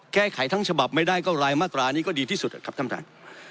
แก้ไขทั้งฉบับไม่ได้ก็รายมาตรานี้ก็ดีที่สุดครับท่านท่าน